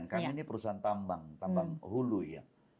kami ini perusahaan tambang tambang hulu ya